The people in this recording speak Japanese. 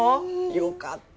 よかった。